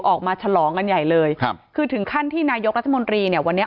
ออกมาฉลองกันใหญ่เลยครับคือถึงขั้นที่นายกราธมนตรีเนี้ย